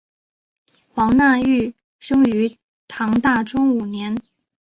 黄讷裕生于唐大中五年。